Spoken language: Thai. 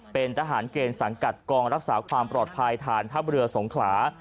เป็นทหารเกณฑ์สังกัดกองรักษาความปลอดภัยฐานทัพเรือสงขลา